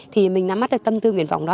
thì mình nắm mắt được tâm tư nguyện vọng đó